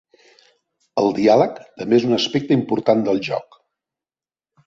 El diàleg també és un aspecte important del joc.